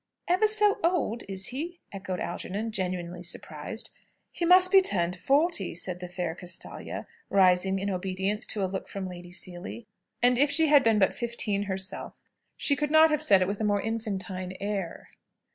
"Ever so old, is he?" echoed Algernon, genuinely surprised. "He must be turned forty," said the fair Castalia, rising in obedience to a look from Lady Seely. And if she had been but fifteen herself, she could not have said it with a more infantine air.